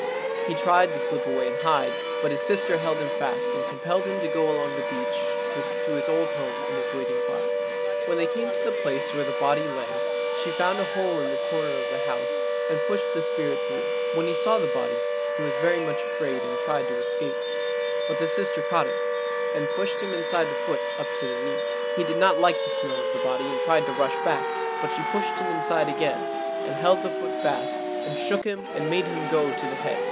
He tried to slip away and hide, but his sister held him fast and compelled him to go along the beach to his old home and his waiting body. When they came to the place where the body lay she found a hole in the corner of the house and pushed the spirit through. When he saw the body he was very much afraid and tried to escape, but the sister caught him and pushed him inside the foot up to the knee. He did not like the smell of the body and tried to rush back, but she pushed him inside again and held the foot fast and shook him and made him go to the head.